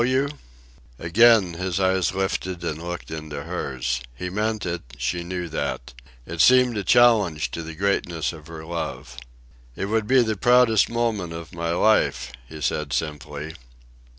"Will you?" Again his eyes lifted and looked into hers. He meant it she knew that. It seemed a challenge to the greatness of her love. "It would be the proudest moment of my life," he said simply.